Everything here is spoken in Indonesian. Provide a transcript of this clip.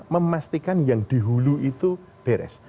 memastikan yang dihulu itu beres